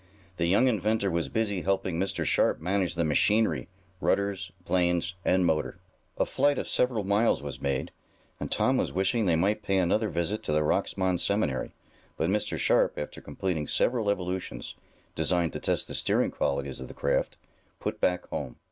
The young inventor was busy helping Mr. Sharp manage the machinery, rudders planes and motor. A flight of several miles was made, and Tom was wishing they might pay another visit to the Rocksmond Seminary, but Mr. Sharp, after completing several evolutions, designed to test the steering qualities of the craft, put back home.